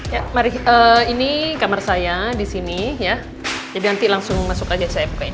ya mari ke ini kamar saya disini ya jadi nanti langsung masuk aja saya pakai